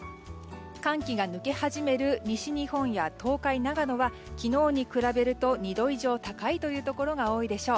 寒気が抜け始める西日本や東海、長野は昨日に比べると２度以上高いところが多いでしょう。